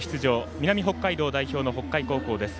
南北海道代表、北海高校です。